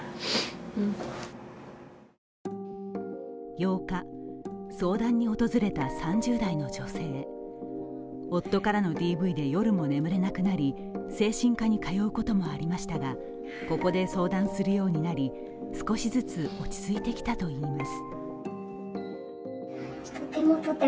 ８日、相談に訪れた３０代の女性夫からのＤＶで夜も眠れなくなり、精神科に通うこともありましたがここで相談するようになり少しずつ落ち着いてきたといいます。